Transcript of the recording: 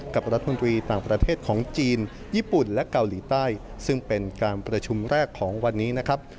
กับรัฐมนตรีต่างประเทศของจีนญี่ปุ่นและเกาหลีใต้ซึ่งเป็นการประชุมแรกของวันนี้นะครับ